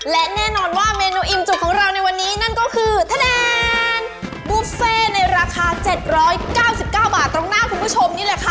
และแน่นอนว่าเมนูอิ่มจุกของเราในวันนี้นั่นก็คือคะแนนบุฟเฟ่ในราคา๗๙๙บาทตรงหน้าคุณผู้ชมนี่แหละค่ะ